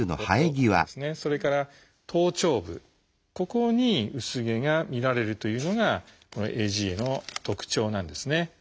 ここに薄毛が見られるというのがこのＡＧＡの特徴なんですね。